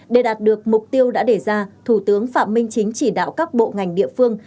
để đạt được mục tiêu đã để ra thủ tướng phạm minh chính chỉ đạo các bộ ngành địa phương